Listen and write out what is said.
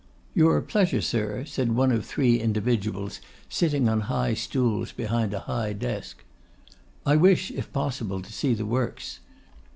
'Your pleasure, sir?' said one of three individuals sitting on high stools behind a high desk. 'I wish, if possible, to see the works.